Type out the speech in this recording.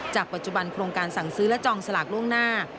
ปัจจุบันโครงการสั่งซื้อและจองสลากล่วงหน้า